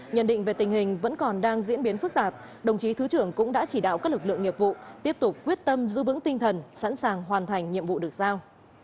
nhận định về tình hình vẫn còn đang diễn biến phức tạp đồng chí thứ trưởng cũng đã chỉ đạo các lực lượng nghiệp vụ tiếp tục quyết tâm giữ vững tinh thần sẵn sàng hoàn thành nhiệm vụ được giao